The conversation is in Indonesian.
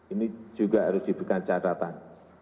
ini juga harus diberikan catatan